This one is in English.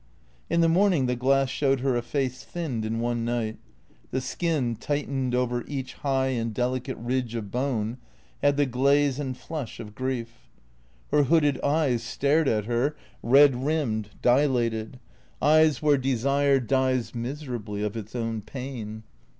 In the morning the glass showed her a face thinned in one night; the skin, tightened over each high and delicate ridge of bone, had the glaze and flush of grief ; her hooded eyes stared at her, red rimmed, dilated ; eyes where desire dies miserably of its own pain.